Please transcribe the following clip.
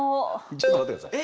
ちょっと待って下さい。